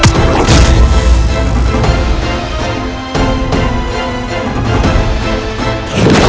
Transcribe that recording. baiklah kita lagi menjadi k like